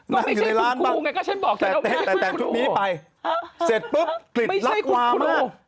นั่งอยู่ในร้านบ้างแต่แต่งชุดนี้ไปเสร็จปุ๊บกฤตลักษณ์วามากก็ไม่ใช่คุณครู